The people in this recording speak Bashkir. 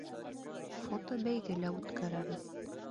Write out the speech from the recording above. Фотобәйге лә үткәрәбеҙ.